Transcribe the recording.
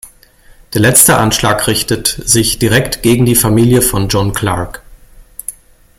Der letzte Anschlag richtet sich direkt gegen die Familie von John Clark.